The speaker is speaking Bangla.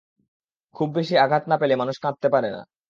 খুব বেশি আঘাত না পেলে মানুষ কাঁদতে পারে না।